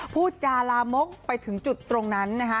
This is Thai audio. พูดจาลามกไปถึงจุดตรงนั้นนะคะ